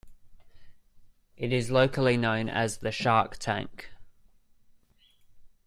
It is locally known as "The Shark Tank".